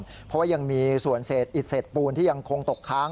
เพราะว่ายังมีส่วนเศษอิดเศษปูนที่ยังคงตกค้าง